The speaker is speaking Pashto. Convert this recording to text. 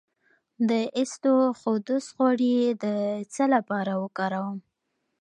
د اسطوخودوس غوړي د څه لپاره وکاروم؟